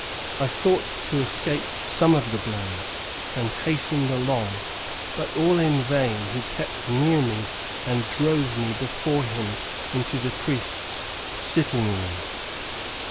I thought to escape some of the blows, and hastened along, but all in vain; he kept near me and drove me before him into the priests sitting room.